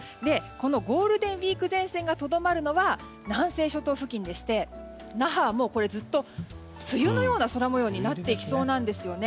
このゴールデンウィーク前線がとどまるのは南西諸島付近でして那覇はずっと梅雨のような空模様になっていきそうです。